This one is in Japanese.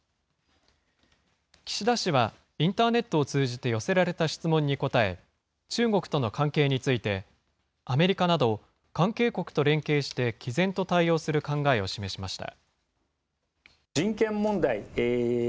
岸田氏は、インターネットを通じて寄せられた質問に答え、中国との関係について、アメリカなど関係国と連携して毅然と対応する考えを示しました。